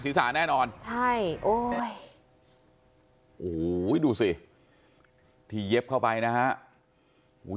แน่นอนใช่โอ้ยโอ้โหดูสิที่เย็บเข้าไปนะฮะ